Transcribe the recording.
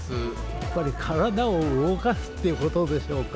やっぱり体を動かすっていうことでしょうか。